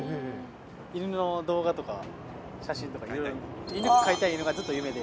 犬の動画とか写真とかいろいろ見て、犬、飼いたいのがずっと夢で。